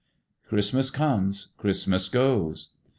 "Christmas comes, Christmas goes."